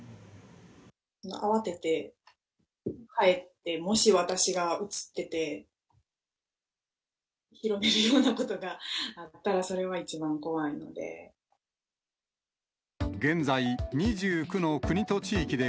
慌てて帰って、もし私がうつってて、広げるようなことがあったらそれが一番怖いんで。